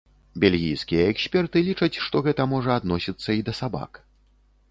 Бельгійскія эксперты лічаць, што гэта можа адносіцца і да сабак.